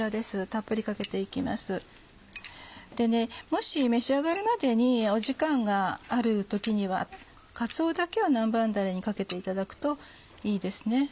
もし召し上がるまでに時間がある時にはかつおだけは南蛮だれにかけていただくといいですね。